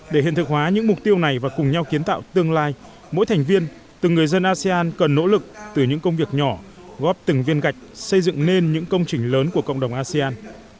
để hiện thực hóa những mục tiêu này và cùng nhau kiến tạo tương lai mỗi thành viên từng người dân asean cần nỗ lực từ những công việc nhỏ góp từng viên gạch xây dựng nên những công trình lớn của cộng đồng asean